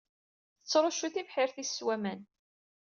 Tettruccu tibḥirt-is s waman.